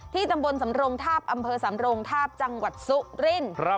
ตำบลสำรงทาบอำเภอสำรงทาบจังหวัดสุรินทร์